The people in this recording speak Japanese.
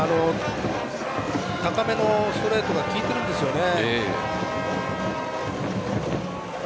高めのストレートが効いてるんですよね。